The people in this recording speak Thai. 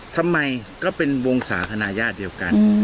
ทำไมก็เป็นวงศาธนาญาติเดียวกัน